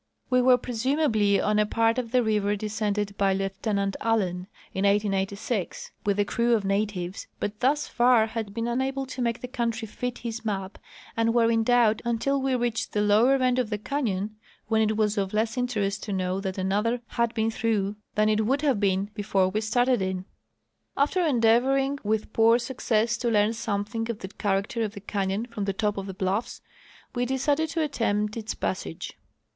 We were presumably on a part of the river descended by Lieutenant Allen in 1886 with a crew of natives, but thus far had been unable to make the country fit his map and were in doubt until we reached the lower end of the canyon, when it was of less interest to know that another had been through than it would have been before we started in. After endeavoring with poor success to learn something of the character of the canyon from the top of the l)luffs, we decided to attempt its passage.